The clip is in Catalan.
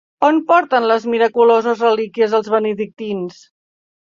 On porten les miraculoses relíquies els benedictins?